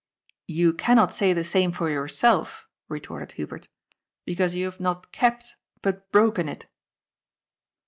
" You cannot say the same for yourself," retorted Hu bert, " because you have not kept, but broken it."